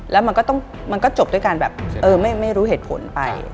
แล้วมันก็จบด้วยการแบบเออไม่รู้เหตุผลไป